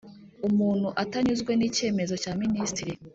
umuntu atanyuzwe n icyemezo cya Minisitiri